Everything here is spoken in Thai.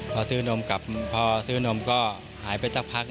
พอซื้อนมกลับพอซื้อนมก็หายไปสักพัก